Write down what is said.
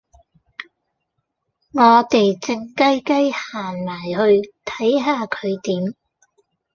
我地靜靜雞行埋去睇下佢點